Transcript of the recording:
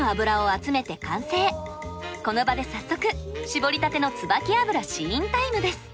この場で早速搾りたてのつばき油試飲タイムです。